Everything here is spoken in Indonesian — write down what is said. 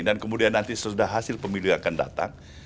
dan kemudian nanti sudah hasil pemilu yang akan datang